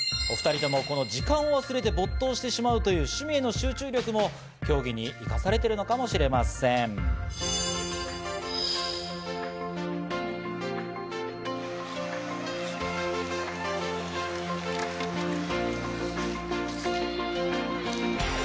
お２人ともこの時間を忘れて没頭してしまうという趣味への集中力も競技に生かされているのかもしれません。